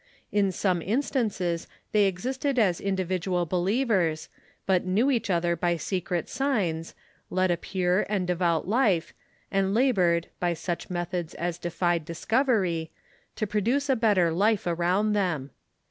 In some instances they existed as individual believers, but knew each other by secret signs, led a pure and devout life, and labored, by such methods as defied discovery, to produce a bet ter life around them.